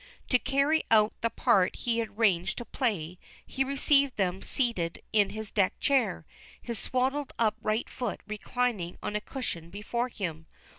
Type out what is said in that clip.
To carry out the part he had arranged to play, he received them seated in his deck chair, his swaddled up right foot reclining on a cushion before him.